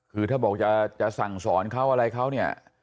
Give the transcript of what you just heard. คือถ้าบอกจะสั่งสอนเขาอะไรเขาเนี่ย